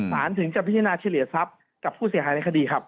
ถึงจะพิจารณาเฉลี่ยทรัพย์กับผู้เสียหายในคดีครับ